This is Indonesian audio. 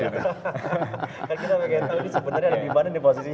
kita pengen tahu ini sebenarnya ada gimana posisinya